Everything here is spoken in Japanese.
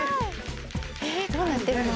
ええどうなってるの？